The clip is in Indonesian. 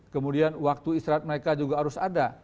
kemudian waktu istirahat mereka juga harus ada